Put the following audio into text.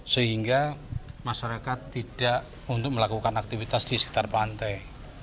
sehingga masyarakat tidak untuk melakukan aktivitas di sekitar pantai